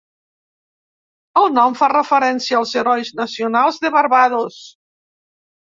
El nom fa referència als Herois Nacionals de Barbados.